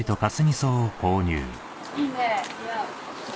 いいね似合う。